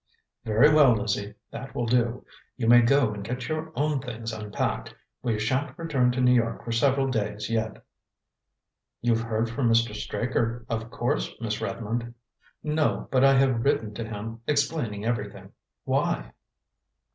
"Very well, Lizzie, that will do. You may go and get your own things unpacked. We shan't return to New York for several days yet." "You've heard from Mr. Straker, of course, Miss Redmond?" "No, but I have written to him, explaining everything. Why?"